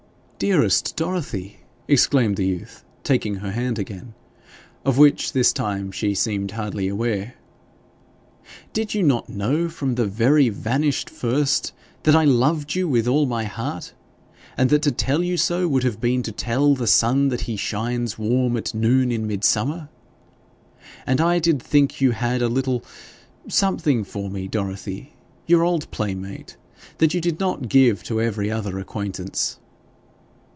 'Dearest Dorothy!' exclaimed the youth, taking her hand again, of which this time she seemed hardly aware, 'did you not know from the very vanished first that I loved you with all my heart, and that to tell you so would have been to tell the sun that he shines warm at noon in midsummer? And I did think you had a little something for me, Dorothy, your old playmate, that you did not give to every other acquaintance.